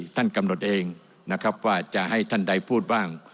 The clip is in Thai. ท่านกำหนดเองนะครับว่าจะให้ท่านใดพูดบ้าง